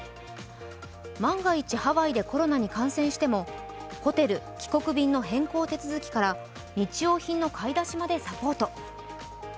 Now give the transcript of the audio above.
万が一、ハワイでコロナに感染してもホテル・帰国便の変更手続きから日用品の買い出しまでサポート。